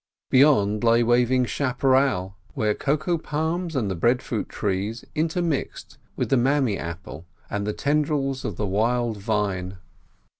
Beyond lay waving chapparel, where cocoa palms and breadfruit trees intermixed with the mammee apple and the tendrils of the wild vine.